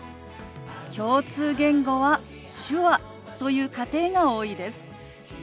共通言語は手話という家庭が多いです。